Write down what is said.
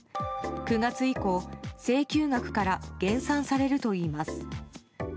９月以降、請求額から減算されるといいます。